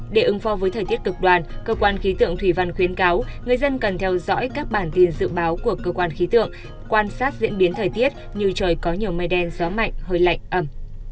để ứng phó với thời tiết cực đoàn cơ quan khí tượng thủy văn khuyến cáo người dân cần theo dõi các bản tin dự báo của cơ quan khí tượng quan sát diễn biến thời tiết như trời có nhiều mây đen gió mạnh hơi lạnh ẩm